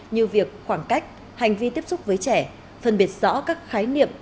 như việc khoảng cách hành vi tiếp xúc với trẻ phân biệt rõ các khái niệm